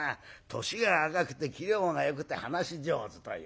年が若くて器量がよくて話し上手という。